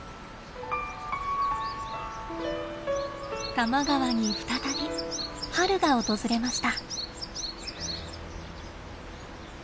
多摩川に再び春が訪れました。